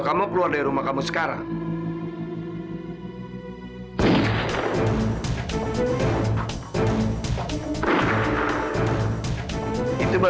kamu jangan main main dengan saya